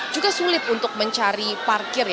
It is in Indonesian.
juga sulit untuk mencari parkir